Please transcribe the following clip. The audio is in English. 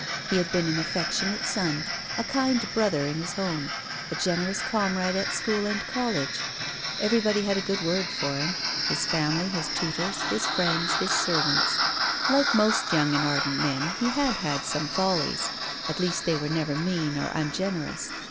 He had been an affectionate son, a kind brother in his home, a generous comrade at school and college. Every body had a good word for him ; his family, his tutors, his friends, his servants. Like most young and ardent men he had had some follies. At least they were never mean or ungenerous.